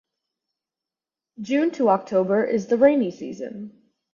June to October is the rainy season.